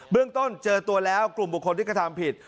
เรื่องต้นเจอตัวแล้วกลุ่มบุคคลที่กระทำผิด